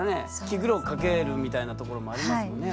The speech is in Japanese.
気苦労をかけるみたいなところもありますもんね。